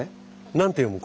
何て読む？